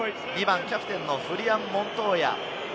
２番キャプテンのフリアン・モントーヤ。